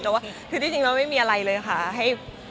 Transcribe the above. แต่ว่าคือที่จริงแล้วไม่มีอะไรเลยค่ะ